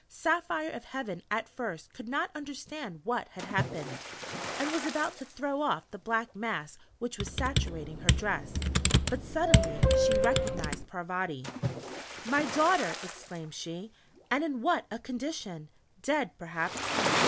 Saphire of Heaven at first could not understand what had happened, and was about to throw off the black mass which was saturating her dress, but suddenly she recognized Parvati: "My Daughter!" exclaimed she, "and in what a condition! Dead, perhaps!"